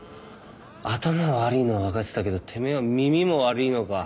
頭悪いのは分かってたけどてめえは耳も悪いのか？